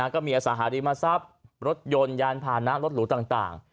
ก็มีอสังหาริมทรัพย์รถยนต์ยานพานะรถหรูต่าง